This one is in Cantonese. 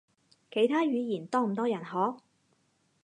其他語言多唔多人學？